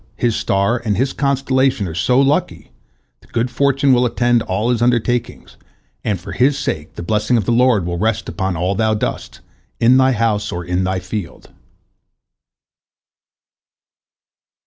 His star and his constellation are so lucky that good fortune will attend all his undertakings, and for his sake the blessing of the Lord will rest upon all thou doest, in thy house or in thy field."